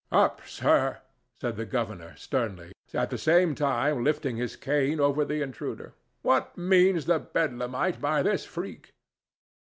"Up, sir!" said the governor, sternly, at the same time lifting his cane over the intruder. "What means the Bedlamite by this freak?"